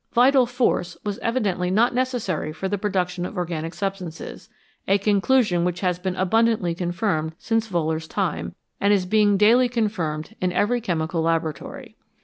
" Vital force n was evidently not necessary for the production of organic substances a conclusion which has been abundantly confirmed since Wohler's time, and is being daily confirmed in every chemical laboratory.